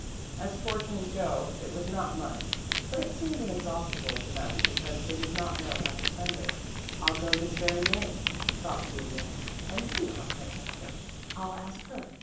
As fortunes go, it was not much, but it seemed inexhaustible to them because they did not know how to spend it. "I'll go this very day," thought Juliet, "and see Aunt Francesca. I'll ask her.